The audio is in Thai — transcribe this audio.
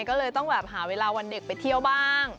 ก็เลยต้องแบบหาเวลาวันเด็กไปเที่ยวบ้าง